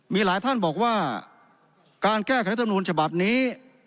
มีหลายท่านบอกว่าการแก้ไขรัฐธรรมนูลฉบับนี้